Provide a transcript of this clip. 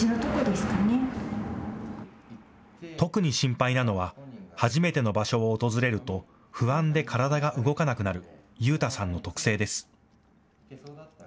特に心配なのは初めての場所を訪れると不安で体が動かなくなる悠太さんの特性です。